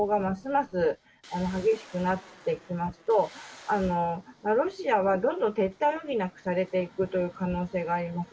このままウクライナ軍の進攻がますます激しくなっていきますと、ロシアはどんどん撤退を余儀なくされていくという可能性があります。